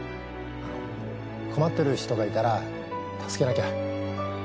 あの困ってる人がいたら助けなきゃ。